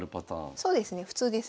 そうですね普通ですね。